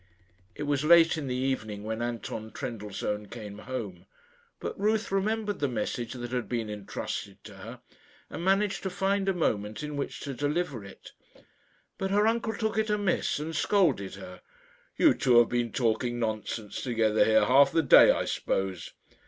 It was late in the evening when Anton Trendellsohn came home, but Ruth remembered the message that had been intrusted to her, and managed to find a moment in which to deliver it. But her uncle took it amiss, and scolded her. "You two have been talking nonsense together here half the day, I suppose."